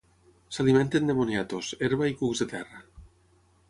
S'alimenten de moniatos, herba i cucs de terra.